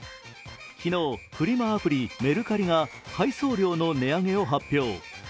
昨日、フリマアプリ、メルカリが配送料の値上げを発表。